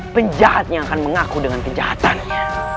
penjahatnya akan mengaku dengan penjahatannya